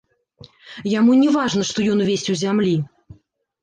Яму не важна, што ён увесь у зямлі.